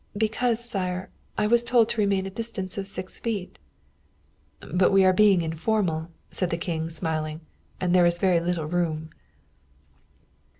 "Because, sire, I was told to remain at a distance of six feet." "But we are being informal," said the King, smiling. "And it is a very little room."